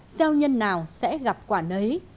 gieo nhân nào sẽ gặp quả nấy